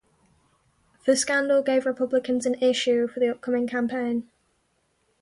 The scandal gave Republicans an issue for the upcoming campaign.